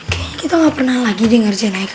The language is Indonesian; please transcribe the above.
kayaknya kita nggak pernah lagi dengerin eka